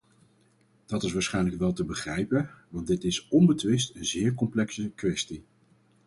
Dat is waarschijnlijk wel te begrijpen, want dit is onbetwist een zeer complexe kwestie.